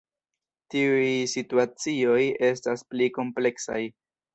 Tiuj situacioj estas pli kompleksaj.